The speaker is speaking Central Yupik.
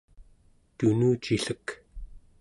tunucillek